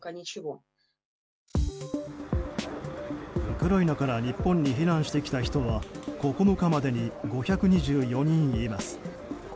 ウクライナから日本に避難してきた人は９日までに５２４人います。